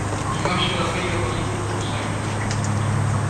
Imaxe da feira do libro de Bos Aires.